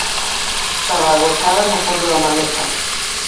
Estaba agochada no fondo da maleta